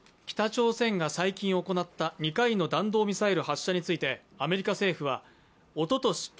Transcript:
北朝鮮が最近行った２回の弾道ミサイル発射についてアメリカ政府はおととし